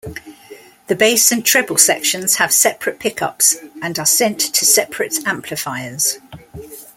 The bass and treble sections have separate pickups and are sent to separate amplifiers.